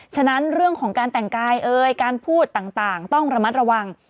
ฉะนั้นเรื่องของการแต่งกายการพูดต่างต้องระมัดระวัง